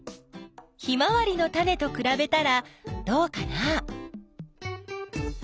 ヒマワリのタネとくらべたらどうかな？